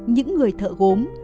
những người thợ gốm